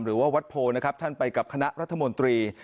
หรือว่าวัดโพนะครับท่านไปกับคณะรัฐมนตรี